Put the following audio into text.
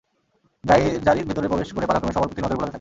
যারীদ ভেতরে প্রবেশ করে পালাক্রমে সবার প্রতি নজর বুলাতে থাকে।